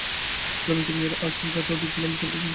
জলার্থিনী মেয়েরা আজ ঘাটে অধিক বিলম্ব করিতেছে না।